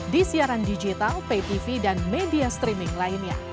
di siaran digital pay tv dan media streaming lainnya